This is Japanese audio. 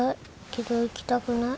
けど行きたくない。